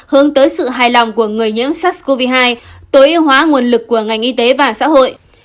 hướng tới sự hài lòng của người nhiễm sars cov hai tối ưu hóa nguồn lực của ngành y tế và xã hội